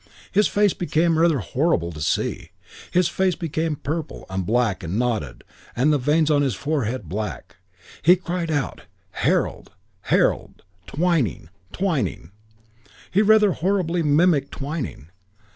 His face became rather horrible to see. His face became purple and black and knotted, and the veins on his forehead black. He cried aloud, "Harold! Harold! Twyning! Twyning!" He rather horribly mimicked Twyning.